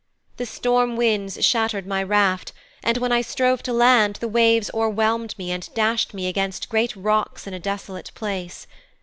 The storm winds shattered my raft, and when I strove to land the waves overwhelmed me and dashed me against great rocks in a desolate place.